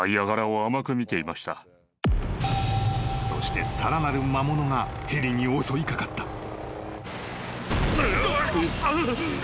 ［そしてさらなる魔物がヘリに襲い掛かった］